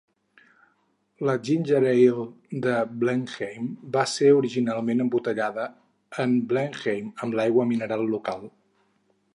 La Ginger Ale de Blenheim va ser originalment embotellada en Blenheim, amb l'aigua mineral local.